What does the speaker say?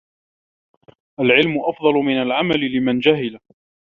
الْعِلْمُ أَفْضَلُ مِنْ الْعَمَلِ لِمَنْ جَهِلَ